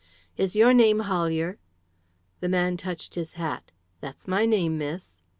"Is your name Hollier?" The man touched his hat. "That's my name, miss."